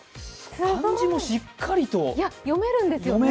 漢字もしっかりと読めますね。